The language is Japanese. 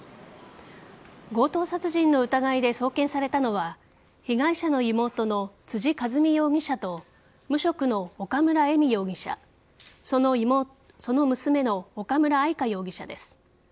強盗殺人の疑いで送検されたのは被害者の妹の辻和美容疑者と無職の岡村恵美容疑者その娘の岡村愛香容疑者です。